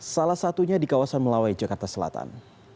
salah satunya di kawasan melawai jakarta selatan